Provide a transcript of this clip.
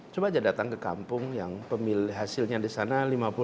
coba saja datang ke kampung yang hasilnya di sana lima puluh lima puluh